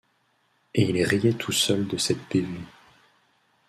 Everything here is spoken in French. Et il riait tout seul de cette bévue!